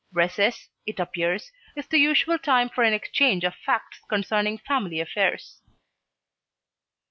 Recess, it appears, is the usual time for an exchange of facts concerning family affairs.